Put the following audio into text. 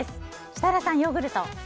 設楽さん、ヨーグルト。